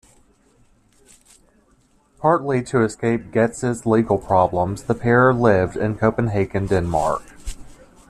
Partly to escape Getz's legal problems, the pair lived in Copenhagen, Denmark.